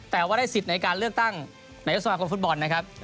แต่ว่าได้สิทธิ์ในการเลือกตั้งนายกสมาคมฟุตบอลนะครับ